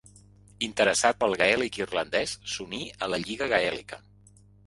Interessat pel gaèlic irlandès, s'uní a la Lliga Gaèlica.